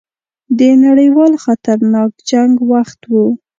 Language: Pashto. د نړیوال خطرناک جنګ وخت وو.